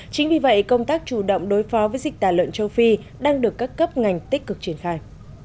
chính vì vậy công tác chủ động đối phó với dịch tả lợn châu phi đang được các cấp ngành tích cực triển khai